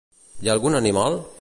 Hi ha algun animal?